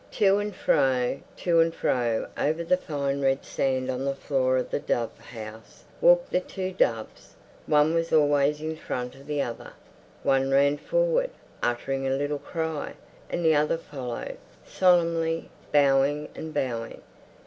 To and fro, to and fro over the fine red sand on the floor of the dove house, walked the two doves. One was always in front of the other. One ran forward, uttering a little cry, and the other followed, solemnly bowing and bowing.